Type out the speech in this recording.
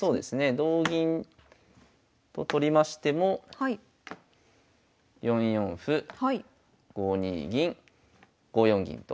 同銀と取りましても４四歩５二銀５四銀と。